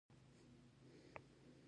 خو که لږ د موضوع عمق ته متوجې شو.